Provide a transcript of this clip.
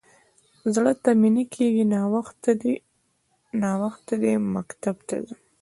_زړه ته مې نه کېږي. ناوخته دی، مکتب ته ځم.